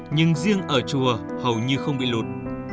nhưng riêng ở chùa hầu như không bị lụt